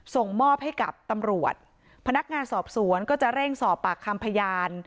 ส่งมอบให้กับตำรวจพนักงานสอบสวนก็จะเร่งสอบปากคำพยาน